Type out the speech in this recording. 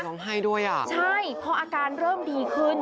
ให้ด้วยอ่ะใช่พออาการเริ่มดีขึ้น